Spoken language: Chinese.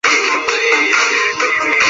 把蚂蚁拨掉